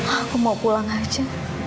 aku mau pulang aja